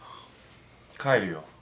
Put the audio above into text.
帰るよ。